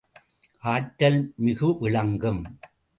ஆற்றல் மிகு விளங்கும்.